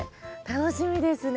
楽しみですね。